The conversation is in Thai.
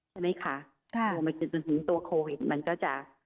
ใช่ไหมคะโทรมาจนถึงตัวโควิดมันก็จะ